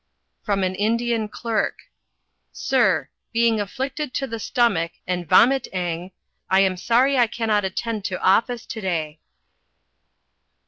From an Indian clerk: "Sir. Being afflicted to the stomach and vomiteng I am sorry I cannot attend to office today."